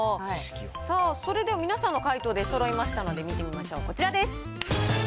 それでは皆さんの解答、出そろいましたので見てみましょう、こちらです。